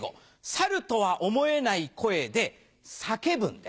サルとは思えない声で叫ぶんです。